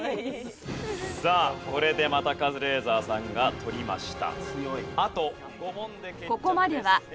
さあこれでまたカズレーザーさんが取りました。